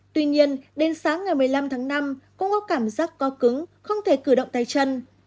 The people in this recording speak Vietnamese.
tuy nhiên đến sáng ngày một mươi năm tháng năm cũng có cảm giác co cứng không thể cử động tay chân